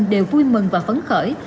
đều vui mừng và phấn khởi